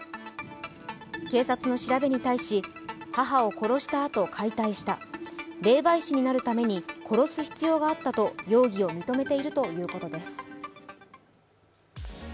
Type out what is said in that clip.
警察の調べに対し、母を殺したあと解体した、霊媒師になるために殺す必要があったと容疑を認めているということです。